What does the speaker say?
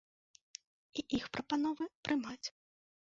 І іх прапановы прымаць.